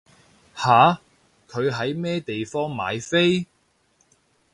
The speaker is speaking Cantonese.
吓？佢喺咩地方買飛？